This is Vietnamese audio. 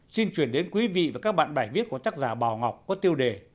xin chuyển đến quý vị và các bạn bài viết của tác giả bảo ngọc có tiêu đề